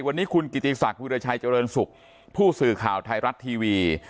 วันนี้คุณกิติศักดิราชัยเจริญสุขผู้สื่อข่าวไทยรัฐทีวี